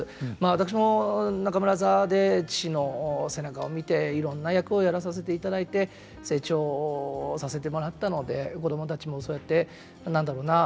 私も中村座で父の背中を見ていろんな役をやらさせていただいて成長させてもらったので子供たちもそうやって何だろうな？